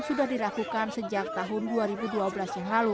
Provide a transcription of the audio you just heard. sudah dilakukan sejak tahun dua ribu dua belas yang lalu